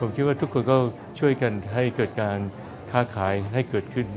ผมคิดว่าทุกคนก็ช่วยกันให้เกิดการค้าขายให้เกิดขึ้น